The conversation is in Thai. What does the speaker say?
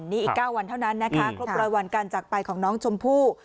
นี่อีก๙วันเท่านั้นนะคะครบร้อยวันการจักรไปของน้องชมพู่